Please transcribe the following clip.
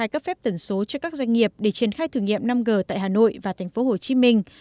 cấp phép tần số cho các doanh nghiệp để triển khai thử nghiệm năm g tại hà nội và thành phố hồ chí minh